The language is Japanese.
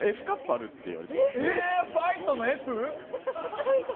ファイトのＦ？